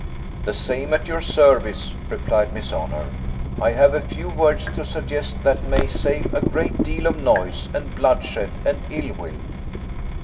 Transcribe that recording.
'The same, at your service,' replied Miss Honour. 'I have a few words to suggest that may save a great deal of noise, and bloodshed, and ill will.